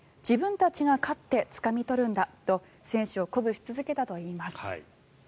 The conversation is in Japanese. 自分たちが勝ってつかみ取るんだと選手を鼓舞し続けたといいます。